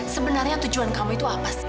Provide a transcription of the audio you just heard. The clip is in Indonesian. sebenarnya tujuan kamu itu apa sih